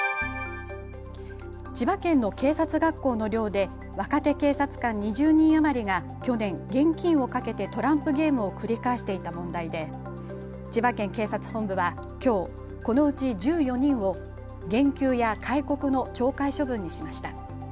千葉県の警察学校の寮で若手警察官２０人余りが去年、現金を賭けてトランプゲームを繰り返していた問題で千葉県警察本部はきょうこのうち１４人を減給や戒告の懲戒処分にしました。